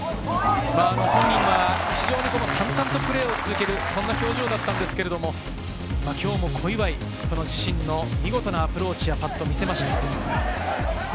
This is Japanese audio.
本人は淡々とプレーを続ける、そんな表情だったんですけれど、今日も小祝、見事なアプローチやパットを見せました。